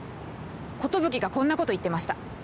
寿がこんなこと言ってました。